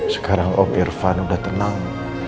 sekarang om irfan udah tenang